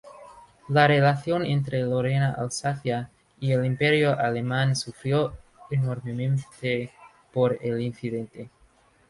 La relación entre Lorena-Alsacia y el imperio alemán sufrió enormemente por el incidente.